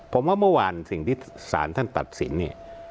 ผมว่าเมื่อวานสิ่งที่ศาลท่านตัดสินเนี่ย